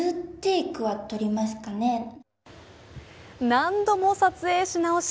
何度も撮影し直し